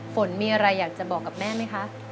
ฝนมีอะไรอยากจะบอกกับแม่ไหมคะ